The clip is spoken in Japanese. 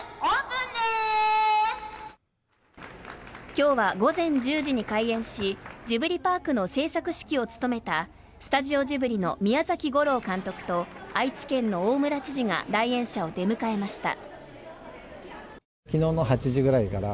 今日は午前１０時に開園しジブリパークの制作指揮を務めたスタジオジブリの宮崎吾朗監督と愛知県の大村知事が来園者を出迎えました。